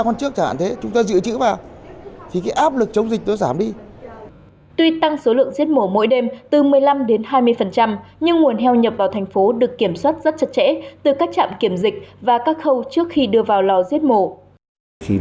nhưng nguồn heo nhập vào thành phố được kiểm soát rất chặt chẽ từ các trạm kiểm dịch